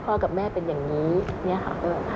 กับแม่เป็นอย่างนี้เนี่ยค่ะ